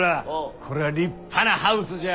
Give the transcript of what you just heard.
こりゃ立派なハウスじゃ。